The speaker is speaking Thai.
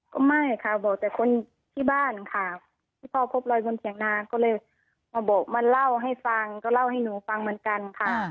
ก็ไม่ค่ะบอกแต่คนที่บ้านค่ะที่พ่อพบรอยบนเถียงนาก็เลยมาบอกมาเล่าให้ฟังก็เล่าให้หนูฟังเหมือนกันค่ะ